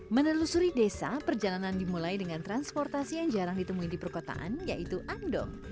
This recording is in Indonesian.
menelusuri desa perjalanan dimulai dengan transportasi yang jarang ditemui di perkotaan yaitu andong